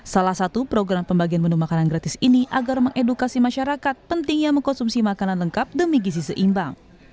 salah satu program pembagian menu makanan gratis ini agar mengedukasi masyarakat pentingnya mengkonsumsi makanan lengkap demi gizi seimbang